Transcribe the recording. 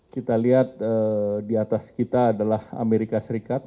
kita lihat di atas kita adalah amerika serikat